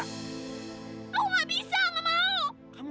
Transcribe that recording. aku gak bisa gak mau